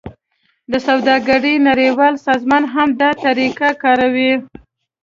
د سوداګرۍ نړیوال سازمان هم دا طریقه کاروي